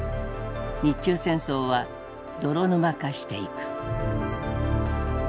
日中戦争は泥沼化していく。